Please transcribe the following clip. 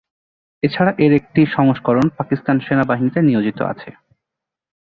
এছাড়া এর একটি সংস্করণ পাকিস্তান সেনা বাহিনীতে নিয়োজিত আছে।